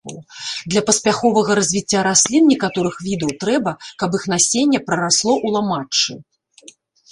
Для паспяховага развіцця раслін некаторых відаў трэба, каб іх насенне прарасло ў ламаччы.